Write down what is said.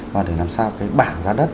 và để làm sao cái bảng giá đất